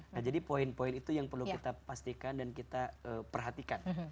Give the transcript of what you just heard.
nah jadi poin poin itu yang perlu kita pastikan dan kita perhatikan